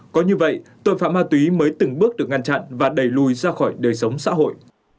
có như vậy tội phạm ma túy mới từng bước được ngăn chặn và đẩy lùi ra khỏi đời sống xã hội